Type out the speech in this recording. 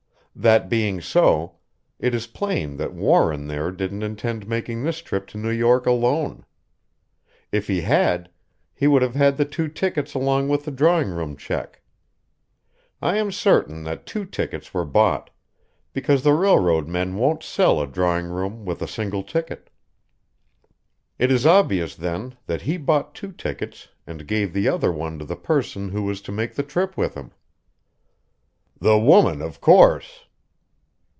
That being so, it is plain that Warren there didn't intend making this trip to New York alone. If he had, he would have had the two tickets along with the drawing room check. I am certain that two tickets were bought, because the railroad men won't sell a drawing room with a single ticket. It is obvious, then, that he bought two tickets and gave the other one to the person who was to make the trip with him." "The woman, of course!"